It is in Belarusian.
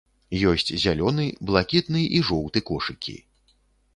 Ёсць зялёны, блакітны і жоўты кошыкі.